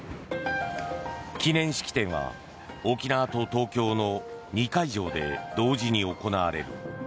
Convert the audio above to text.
記念式典は沖縄と東京の２会場で同時に行われる。